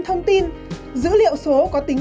thông tin dữ liệu số có tính